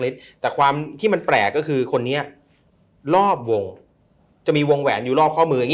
แต่ความที่มันแปลกก็คือคนนี้รอบวงจะมีวงแหวนอยู่รอบข้อมืออย่างนี้